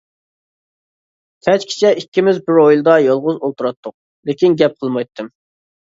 كەچكىچە ئىككىمىز بىر ھويلىدا يالغۇز ئولتۇراتتۇق لېكىن گەپ قىلمايتتىم.